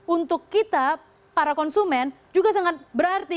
untuk kita para konsumen juga sangat berarti